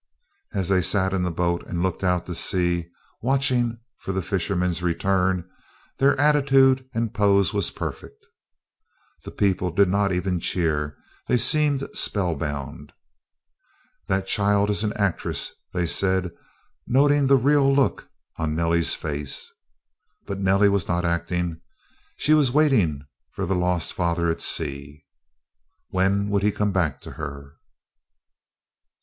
As they sat in the boat and looked out to sea, "watching for the fisherman's return," their attitude and pose were perfect. The people did not even cheer. They seemed spellbound. "That child is an actress," they said, noting the "real" look on Nellie's face. But Nellie was not acting. She was waiting for the lost father at sea. When would he come back to her?